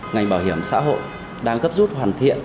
ngành bảo hiểm xã hội đang gấp rút hoàn thiện